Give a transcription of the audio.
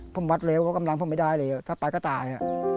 ผมวัดเลวก็กำลังผมไม่ได้เลยถ้าไปก็ตาย